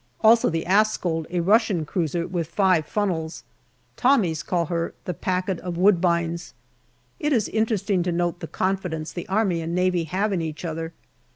Also the Askold, a Russian cruiser, with five funnels. Tommies call her " The packet of Woodbines/' It is interesting to note the confidence the Army and Navy have in each other.